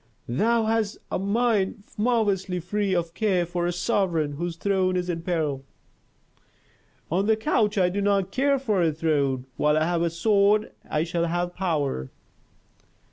"Thou hast a mind marvellously free of care for a sovereign whose throne is in peril." "On the couch, I do not care for a throne. While I have a sword I shall have power."